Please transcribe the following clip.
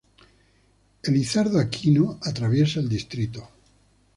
Elizardo Aquino", atraviesa el distrito.